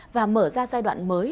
và mở ra giai đoạn mới